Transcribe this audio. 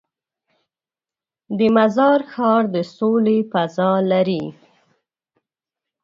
د مزار ښار د سولې فضا لري.